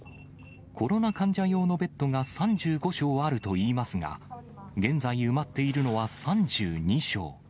コロナ患者用のベッドが３５床あるといいますが、現在埋まっているのは３２床。